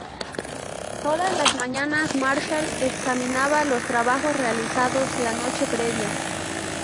Todas las mañanas Marshall examinaba los trabajos realizados la noche previa.